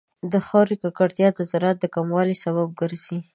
د خاورې ککړتیا د زراعت د کموالي سبب ګرځي.